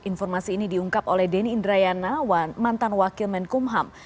informasi ini diungkap oleh denny indrayana mantan wakil menkumham